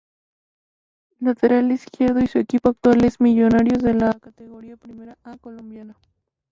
Lateral Izquierdo y su equipo actual es Millonarios de la Categoría Primera A colombiana.